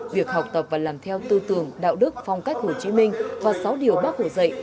việc học tập và làm theo tư tưởng đạo đức phong cách hồ chí minh và sáu điều bác hồ dạy